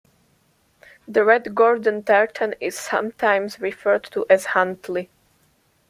The Red Gordon tartan is sometimes referred to as "Huntly".